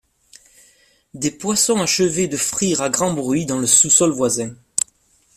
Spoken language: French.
Des poissons achevaient de frire à grand bruit dans le sous-sol voisin.